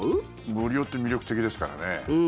無料って魅力的ですからね。